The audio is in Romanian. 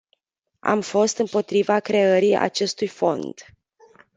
Am fost împotriva creării acestui fond.